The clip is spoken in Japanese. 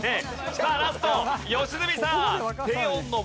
さあラスト良純さん。